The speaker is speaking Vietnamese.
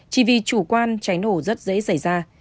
chỉ vì chủ quan cháy nổ rất dễ xảy ra